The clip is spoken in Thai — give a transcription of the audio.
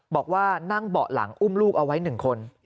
บอกว่านั่งเบาะหลังอุ้มลูกเอาไว้๑คน